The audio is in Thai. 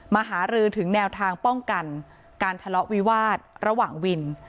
หารือถึงแนวทางป้องกันการทะเลาะวิวาสระหว่างวิน